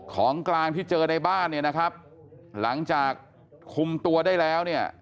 ของกลางที่เจอในบ้านเนี่ยนะครับหลังจากคุมตัวได้แล้วเนี่ย